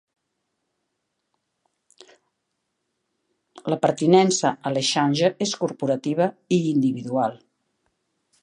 La pertinença al Exchange és corporativa i individual.